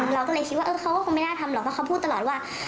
เราก็เลยคิดว่าเขาก็คงไม่น่าทำหรอกเพราะเขาพูดตลอดว่า